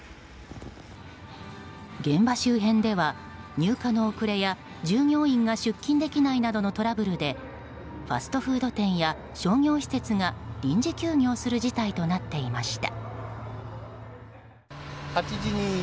現場周辺では入荷の遅れや従業員が出勤できないなどのトラブルでファストフード店や商業施設が臨時休業する事態となっていました。